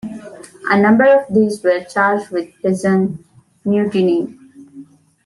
A number of these were charged with 'Prison Mutiny'.